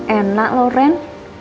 enak loh ren